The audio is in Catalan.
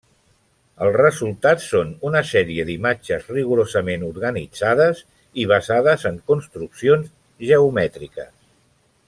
El resultat són una sèrie d’imatges rigorosament organitzades i basades en construccions geomètriques.